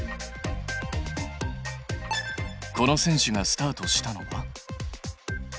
この選手がスタートしたのは。